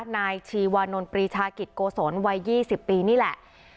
นายชีวานนท์ปรีชากิจโกศลวัย๒๐ปีนี่แหละ